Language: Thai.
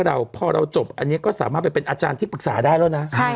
อันนี้ก็สามารถเป็นอาจารย์ที่ปรึกษาได้แล้วนะ